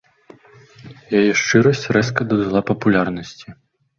Яе шчырасць рэзка дадала папулярнасці.